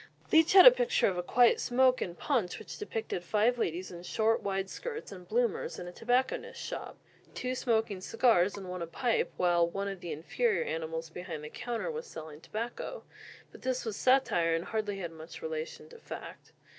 Leech had a picture of "A Quiet Smoke" in Punch, which depicted five ladies in short wide skirts and "bloomers" in a tobacconist's shop, two smoking cigars and one a pipe, while "one of the inferior animals" behind the counter was selling tobacco. But this was satire and hardly had much relation to fact.